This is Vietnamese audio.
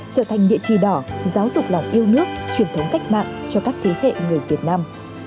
trở thành địa chỉ đỏ giáo dục lòng yêu nước truyền thống cách mạng cho các thế hệ người việt nam